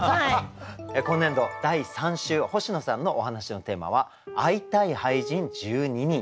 今年度第３週星野さんのお話のテーマは「会いたい俳人、１２人」でございます。